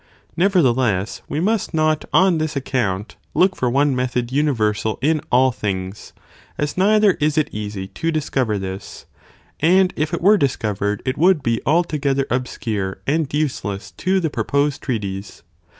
Nevertheless we must not on this account look for one method universal in all things, as neither is it easy to dis cover this, and if it were discovered it would be altogether obscure and useless to the proposed treatise.